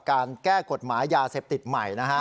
การแก้กฎหมายยาเสพติดใหม่นะฮะ